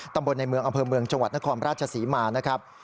ตำบลในเมืองอำเภอเมืองจังหวัดนครราชศรีมานะครับ